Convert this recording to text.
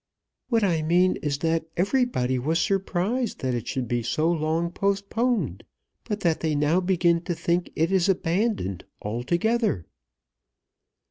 "What I mean is that everybody was surprised that it should be so long postponed, but that they now begin to think it is abandoned altogether."